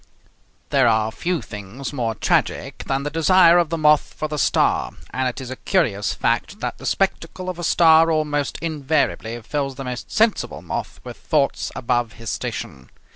There are few things more tragic than the desire of the moth for the star; and it is a curious fact that the spectacle of a star almost invariably fills the most sensible moth with thoughts above his station.